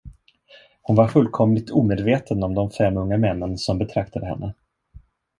Hon var fullkomligt omedveten om de fem unga männen, som betraktade henne.